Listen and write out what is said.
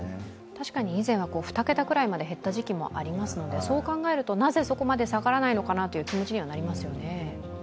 確かに以前は２桁くらいまで減った時期もありますのでそう考えると、なぜそこまで下がらないのかなという気持ちにはなりますよね。